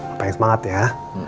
apa yang semangat ya